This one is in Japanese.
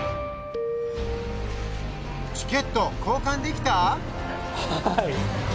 チケット交換できた？